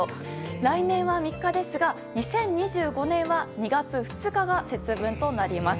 来年は３日ですが２０２５年は２月２日が節分となります。